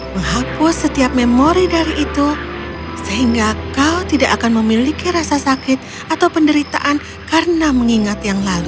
menghapus setiap memori dari itu sehingga kau tidak akan memiliki rasa sakit atau penderitaan karena mengingat yang lalu